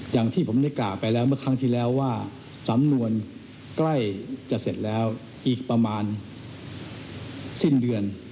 อย่างที่ผมได้กล่าวไปแล้วเมื่อครั้งที่แล้วว่าสำนวนใกล้จะเสร็จแล้วอีกประมาณสิ้นเดือน